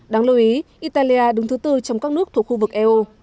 đáng lưu ý italia đứng thứ bốn trong các nước thuộc khu vực eo